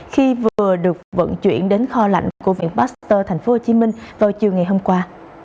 khi vừa được vận chuyển đến kho lạnh của viện pasteur tp hcm vào chiều ngày hôm qua